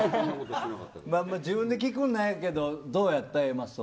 自分で聞くのなんやけどどうやったＡマッソ。